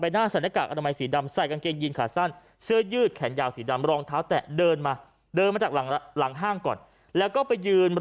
ใบหน้าสนักกากอรมัยสีดำใส่กางเกงยินขาดสั้นเสื้อยืดแขนยาวสีดำ